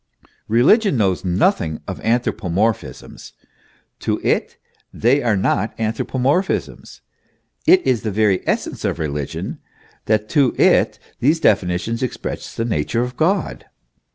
Eeligion knows nothing of anthropomorphisms; to it they are not anthropo morphisms. It is the very essence of religion, that to it these definitions express the nature of God.